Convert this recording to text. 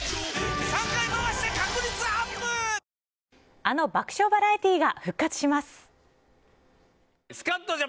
あの爆笑バラエティーが復活します。